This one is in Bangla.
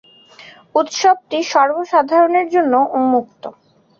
উৎসবটি সর্বসাধারণের জন্য উন্মুক্ত।